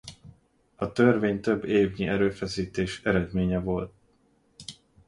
A törvény több évnyi erőfeszítés eredménye volt.